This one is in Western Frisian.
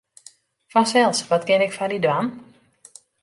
Fansels, wat kin ik foar dy dwaan?